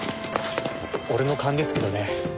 俺の勘ですけどね